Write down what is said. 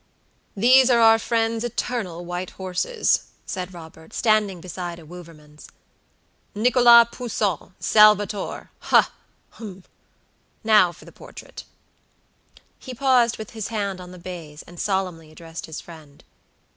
"There are our friend's eternal white horses," said Robert, standing beside a Wouvermans. "Nicholas PoussinSalvatorhahum! Now for the portrait." He paused with his hand on the baize, and solemnly addressed his friend.